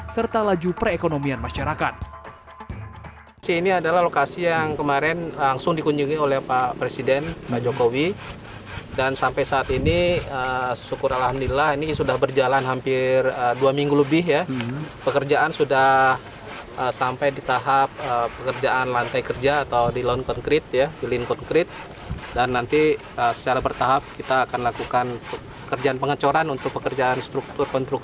serta laju perekonomian masyarakat